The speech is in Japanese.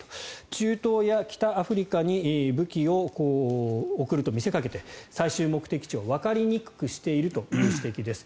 中東や北アフリカに武器を送ると見せかけて最終目的地をわかりにくくしているという指摘です。